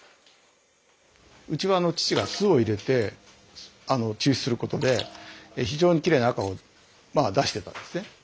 うちは父が酢を入れて抽出することで非常にきれいな赤をまあ出してたんですね。